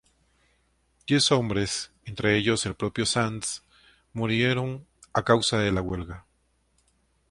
Diez hombres, entre ellos el propio Sands, murieron a causa de la huelga.